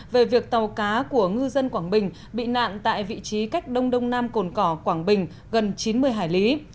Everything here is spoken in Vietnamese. về việc tàu cá của ngư dân quảng bình bị nạn tại vị trí cách đông đông nam cồn cỏ quảng bình gần chín mươi hải lý